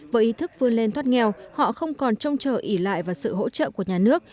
với ý thức vươn lên thoát nghèo họ không còn trông chờ ỉ lại vào sự hỗ trợ của nhà nước